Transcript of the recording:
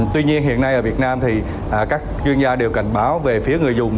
tuy nhiên hiện nay ở việt nam thì các chuyên gia đều cảnh báo về phía người dùng